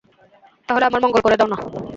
তাহলে আমার মঙ্গল করে দাও না?